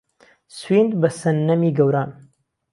سویند به سهننهمی گەوران